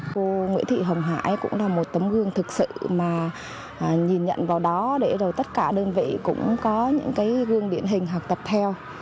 cô nguyễn thị hồng hải cũng là một tấm gương thực sự mà nhìn nhận vào đó để rồi tất cả đơn vị cũng có những cái gương điển hình học tập theo